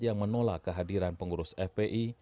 yang menolak kehadiran pengurus fpi